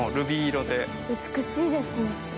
美しいですね。